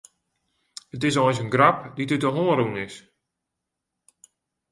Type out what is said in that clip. It is eins in grap dy't út de hân rûn is.